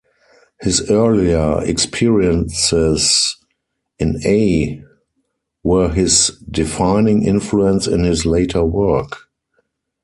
His earlier experiences in Ay were his defining influence in his later work.